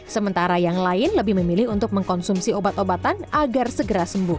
sementara yang lain lebih memilih untuk mengkonsumsi obat obatan agar segera sembuh